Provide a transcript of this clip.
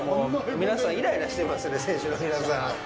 皆さん、イライラしてますね、選手の皆さん。